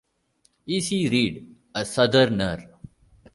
E. C. Reid, a Southerner.